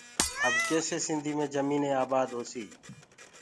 اب ڪيسي سنڌي مين جميني آبآد هوسيٚ